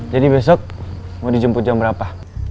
jadi besok mau dijemput jam berapa